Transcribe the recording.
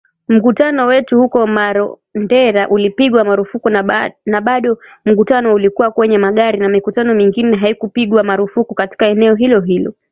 Mkutano wetu huko Marondera ulipigwa marufuku na bado mkutano ulikuwa kwenye magari na mikutano mingine haikupigwa marufuku katika eneo hilo hilo